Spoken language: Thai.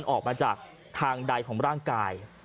ออกมาจากทางใดของร่างกาย